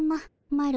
マロ